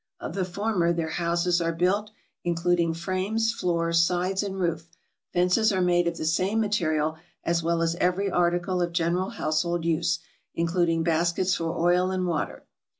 Of the former their houses are built, including frames, floors, sides and roof ; fences are made of the same material, as well as every article of general household use, including baskets for oil and water.